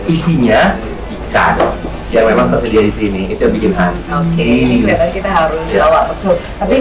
isinya ikan yang memang tersedia disini itu yang bikin khas ini